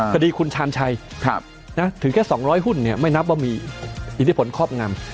คดีคุณชาญชัยถึงแค่สองร้อยหุ้นเนี่ยไม่นับว่ามีอิทธิผลครอบงำ